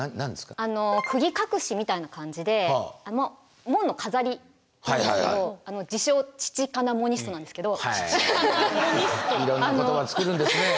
あの釘隠しみたいな感じで門の飾りなんですけど自称チチカナモニストなんですけど。へいろんな言葉つくるんですね。